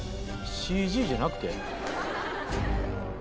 ＣＧじゃなくて？